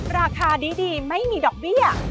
ราคาดีไม่มีดอกเบี้ย